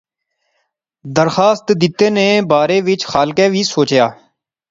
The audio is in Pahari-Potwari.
درخواست دتے نے بارے وچ خالقے وی سوچیا